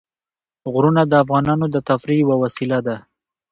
غرونه د افغانانو د تفریح یوه وسیله ده.